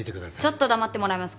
ちょっと黙ってもらえますか？